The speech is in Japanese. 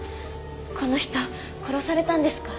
この人殺されたんですか？